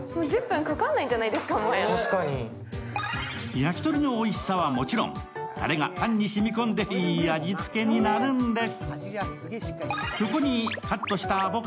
焼き鳥のおいしさはもちろんタレがパンにしみ込んで、いい味つけになるんです。